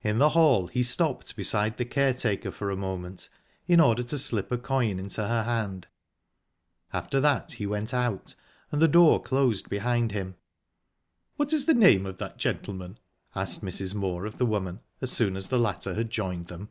In the hall he stopped beside the caretaker for a moment in order to slip a coin into her hand. After that he went out, and the door closed behind him. "What is the name of that gentleman?" asked Mrs. Moor of the woman, as soon as the latter had joined them.